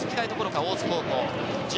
大津高校。